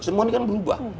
semua ini kan berubah